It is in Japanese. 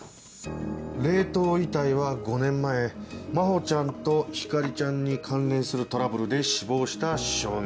冷凍遺体は５年前真帆ちゃんと光莉ちゃんに関連するトラブルで死亡した少年。